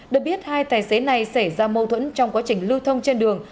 được biết hai tài xế này xảy ra mâu thuẫn trong quá trình lưu thông trên đường